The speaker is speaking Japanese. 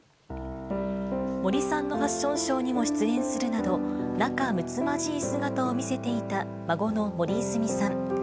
森さんのファッションショーにも出演するなど、仲むつまじい姿を見せていた孫の森泉さん。